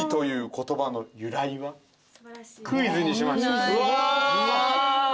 クイズにしました。